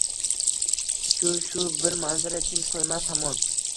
Shu-shu bir manzara tinch qo’ymas hamon: